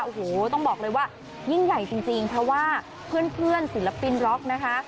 โอ้โหต้องบอกเลยว่ายิ่งใหญ่จริงเพราะว่าเพื่อนศิลปินร็อกนะคะ